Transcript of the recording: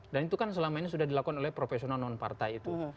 dan itu kan selama ini sudah dilakukan oleh profesional non partai itu